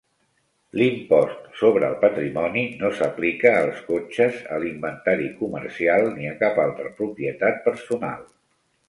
L'impost sobre el patrimoni no s'aplica als cotxes, a l'inventari comercial ni a cap altra propietat personal.